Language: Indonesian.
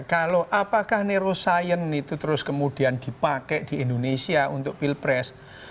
kalau apakah neuroscience itu terus kemudian dipakai di indonesia untuk pilpres